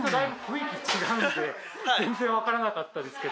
全然分からなかったですけど。